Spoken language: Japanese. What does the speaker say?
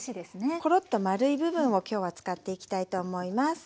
コロッと丸い部分を今日は使っていきたいと思います。